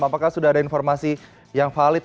apakah sudah ada informasi yang valid